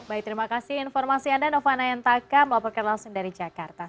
baik terima kasih informasi anda nova nayantaka melaporkan langsung dari jakarta